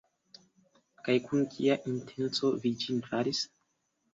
Kaj kun kia intenco vi ĝin faris?